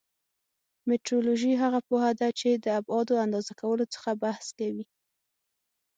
مټرولوژي هغه پوهه ده چې د ابعادو اندازه کولو څخه بحث کوي.